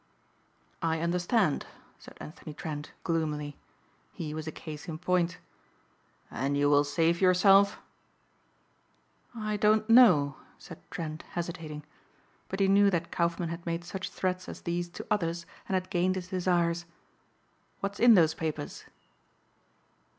"I understand," said Anthony Trent gloomily. He was a case in point. "And you will save yourself?" "I don't know," said Trent hesitating. But he knew that Kaufmann had made such threats as these to others and had gained his desires. "What's in those papers?"